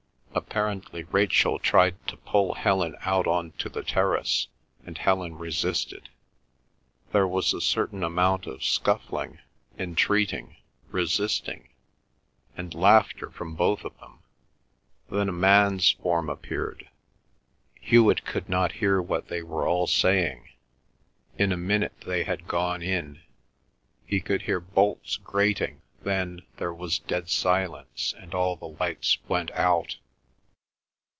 Apparently Rachel tried to pull Helen out on to the terrace, and Helen resisted. There was a certain amount of scuffling, entreating, resisting, and laughter from both of them. Then a man's form appeared. Hewet could not hear what they were all saying. In a minute they had gone in; he could hear bolts grating then; there was dead silence, and all the lights went out.